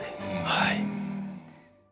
はい。